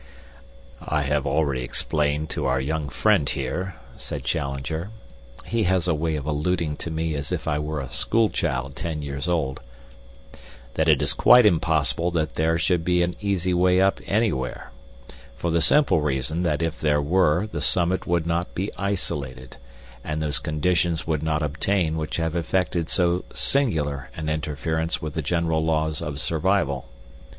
"I have already explained to our young friend here," said Challenger (he has a way of alluding to me as if I were a school child ten years old), "that it is quite impossible that there should be an easy way up anywhere, for the simple reason that if there were the summit would not be isolated, and those conditions would not obtain which have effected so singular an interference with the general laws of survival.